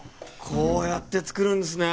こうやって作るんですね